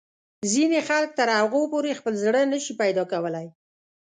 ځینې خلک تر هغو پورې خپل زړه نه شي پیدا کولای.